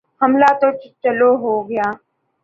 حملہ تو چلو ہو گیا۔